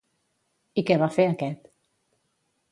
I què va fer aquest?